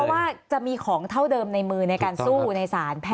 ว่าจะมีของเท่าเดิมในมือในการสู้ในสารแพท